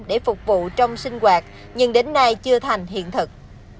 để phục vụ trong sinh hoạt nhưng đến nay chưa thành hiện thực